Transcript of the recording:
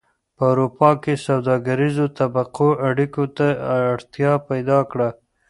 په اروپا کې سوداګریزو طبقو اړیکو ته اړتیا پیدا کړه